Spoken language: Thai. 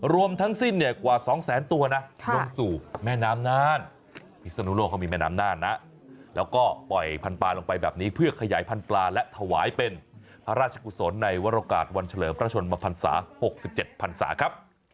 รวมทั้งสิ้นเนี่ยกว่า๒แสนตัวนะลงสู่แม่น้ำนานพิศนุโลกเขามีแม่น้ำน่านนะแล้วก็ปล่อยพันปลาลงไปแบบนี้เพื่อขยายพันธุ์ปลาและถวายเป็นพระราชกุศลในวรโอกาสวันเฉลิมพระชนมพันศา๖๗พันศาครับ